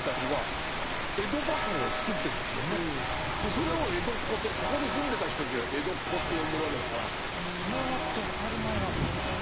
それを江戸っ子とそこで住んでた人たちが江戸っ子って呼んでるわけだからつながって当たり前なんだな。